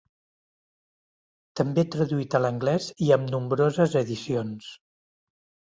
També traduït a l'anglès i amb nombroses edicions.